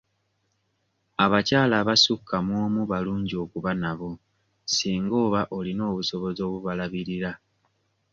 Abakyala abasukka mu omu balungi okuba nabo singa oba olina obusobozi obubalabirira.